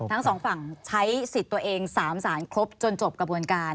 ทั้งสองฝั่งใช้สิทธิ์ตัวเอง๓สารครบจนจบกระบวนการ